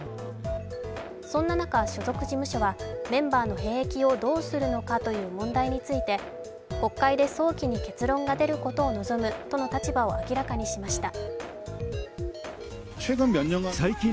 そんな中、所属事務所はメンバーの兵役をどうするのかという問題について、国会で早期に結論が出ることを望むとの立場を明らかにしました。